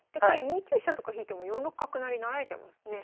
２九飛車とか引いても４六角成成られちゃいますね。